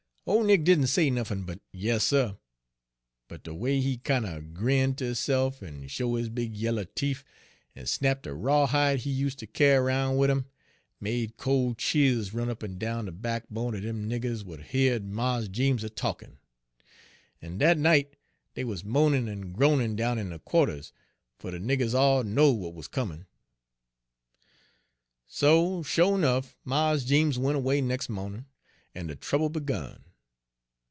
"Ole Nick didn' said nuffin but 'Yas, suh,' but de way he kinder grin' ter hisse'f en show' his big yaller teef, en snap' de rawhide he useter kyar roun' wid 'im, made col' chills run up and down de backbone er dem niggers w'at heared Mars Jeems a talkin'. En dat night dey wuz mo'nin' en groanin' down in de qua'ters, fer de niggers all knowed w'at wuz comin'. "So, sho' 'nuff, Mars Jeems went erway nex' mawnin', en de trouble begun.